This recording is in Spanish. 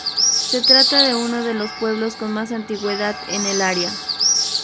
Se trata de uno de los pueblos con más antigüedad en el área.